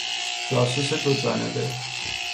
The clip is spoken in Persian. جاسوس دوجانبه